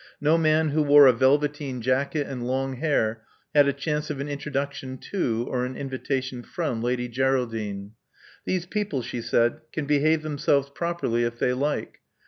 No man who wore a velveteen jacket and long hair had a chance of an introduction to or an invitation from Lady Geraldine. These people, she said, can behave themselves properly if they like.